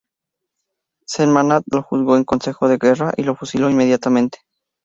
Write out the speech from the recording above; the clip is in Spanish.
Sentmanat lo juzgó en "Consejo de Guerra" y lo fusiló inmediatamente.